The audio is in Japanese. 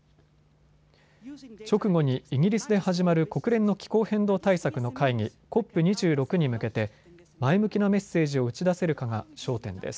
直後にイギリスで始まる国連の気候変動対策の会議、ＣＯＰ２６に向けて前向きなメッセージを打ち出せるかが焦点です。